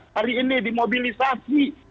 hari ini dimobilisasi